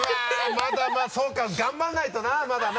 まだそうか頑張らないとなまだな。